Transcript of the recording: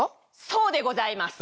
そうでございます。